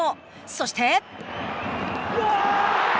そして。